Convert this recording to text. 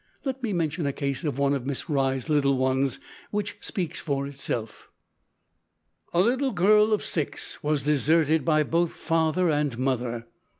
Let me mention a case of one of Miss Rye's little ones, which speaks for itself. "A little girl of six was deserted by both father and mother."